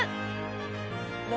何？